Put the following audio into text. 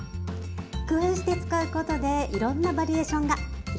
工夫して使うことでいろんなバリエーションが広がります！